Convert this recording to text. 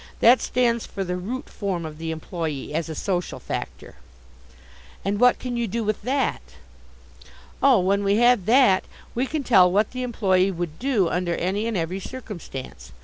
That stands for the Root Form of the employe as a social factor." "And what can you do with that?" "Oh, when we have that we can tell what the employe would do under any and every circumstance.